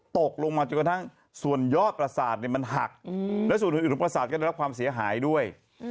ตกลงมาจนกระทั่งส่วนยอดประสาทมันหักและส่วนอื่นหรือประสาทก็ได้รับความเสียหายด้วย